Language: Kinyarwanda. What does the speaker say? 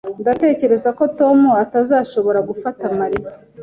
Ndatekereza ko Tom atazashobora gufata Mariya